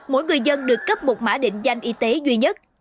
mỗi người dân được cấp một mã định danh y tế duy nhất